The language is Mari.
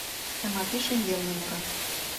Тымапи шеҥгелне мура.